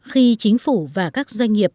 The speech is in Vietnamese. khi chính phủ và các doanh nghiệp